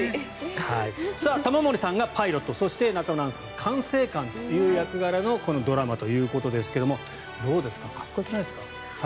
玉森さんがパイロットそして中村アンさん管制官という役柄のこのドラマということですがどうですかかっこよくないですか？